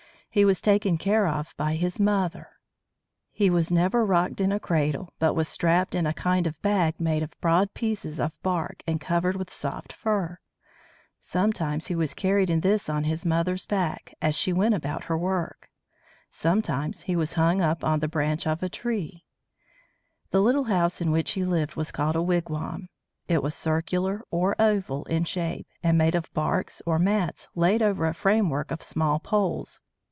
He was taken care of by his mother. He was never rocked in a cradle, but was strapped in a kind of bag made of broad pieces of bark and covered with soft fur. Sometimes he was carried in this on his mother's back, as she went about her work. Sometimes he was hung up on the branch of a tree. [Illustration: INDIAN BABY] The little house in which he lived was called a wigwam. It was circular, or oval, in shape, and made of barks or mats laid over a framework of small poles.